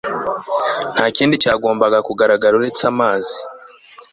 Nta kindi cyagombaga kugaragara uretse amazi